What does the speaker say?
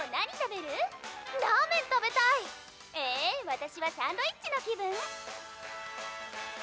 わたしはサンドイッチの気分」